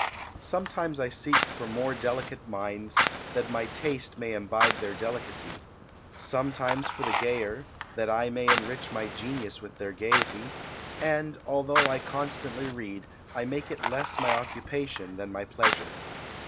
Sometimes I seek for more delicate minds, that my taste may imbibe their delicacy; sometimes for the gayer, that I may enrich my genius with their gaiety; and, although I constantly read, I make it less my occupation than my pleasure.